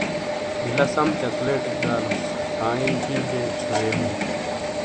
بلہ سم چاکلیٹیک دالوس آنئ ہئ جا چھورے ہوں۔